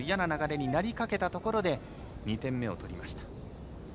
嫌な流れになりかけたところで２点目を取りました。